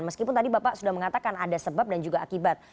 meskipun tadi bapak sudah mengatakan ada sebab dan juga akibat